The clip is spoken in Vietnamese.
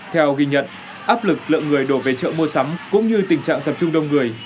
theo ghi nhận áp lực lượng người đổ về chợ mua sắm cũng như tình trạng tập trung đông người